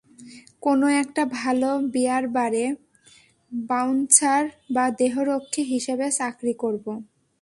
কোন একটা ভালো বিয়ার বারে, বাউন্সার বা দেহরক্ষী হিসেবে চাকরি করবো।